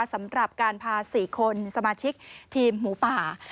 สำหรับการพา๔คนสมาชิกทีมหมูป่า